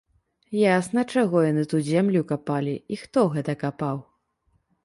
Ясна, чаго яны тут зямлю капалі і хто гэта капаў.